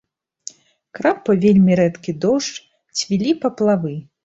Крапаў вельмі рэдкі дождж, цвілі паплавы.